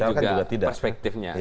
kan banyak juga perspektifnya